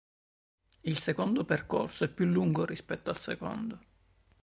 Il secondo percorso, è più lungo rispetto al secondo.